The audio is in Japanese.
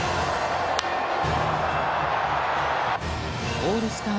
オールスター